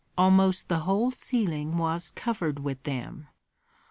Almost the whole ceiling was covered with them.